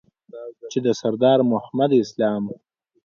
چې د سردار محمد اسلام